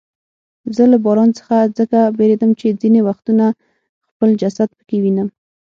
زه له باران څخه ځکه بیریږم چې ځیني وختونه خپل جسد پکې وینم.